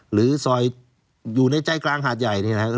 หรือซอยอยู่ในใจกลางหาดใหญ่เนี่ยนะครับ